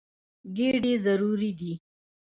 ګېډې ضروري دي.